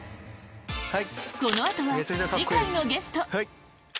この後は次回のゲスト！